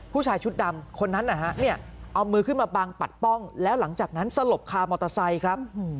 ผู้ชายชุดดำคนนั้นนะฮะเอามือขึ้นมาบังปัดป้องแล้วหลังจากนั้นสลบคามอเตอร์ไซค์ครับ